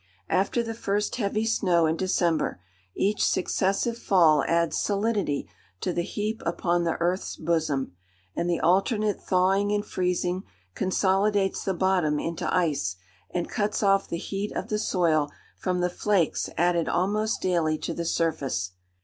After the first heavy snow in December, each successive fall adds solidity to the heap upon the earth's bosom, and the alternate thawing and freezing consolidates the bottom into ice, and cuts off the heat of the soil from the flakes added almost daily to the surface.